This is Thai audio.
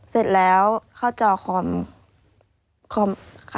เสร็จแล้วเข้าจอคอมค่ะ